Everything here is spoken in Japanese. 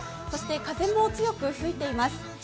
そして風も強く吹いています。